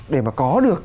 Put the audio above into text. để mà có được